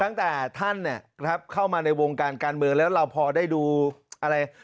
ตั้งแต่ท่านเข้ามาในวงการการเมืองแล้วเราพอได้ดูอะไร